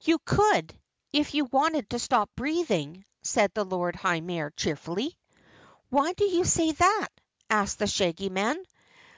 "You could, if you wanted to stop breathing," said the Lord High Mayor cheerfully. "Why do you say that?" asked the Shaggy Man.